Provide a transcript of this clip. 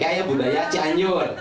kayak budaya canyur